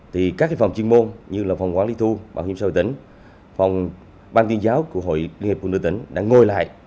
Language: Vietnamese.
thì các phòng chuyên môn như là phòng quản lý thu bảo hiểm xã hội tỉnh phòng bang tuyên giáo của hội liên hiệp phụ nữ tỉnh đã ngồi lại